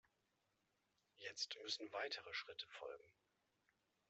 Jetzt müssen weitere Schritte folgen.